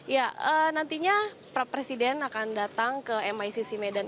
ya nantinya presiden akan datang ke micc medan